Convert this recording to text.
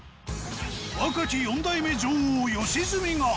若き４代目女王、吉住が。